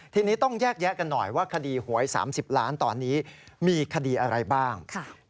ทีนี้ต้องแยกแยะกันหน่อยว่าคดีหวย๓๐ล้านตอนนี้มีคดีอะไรบ้าง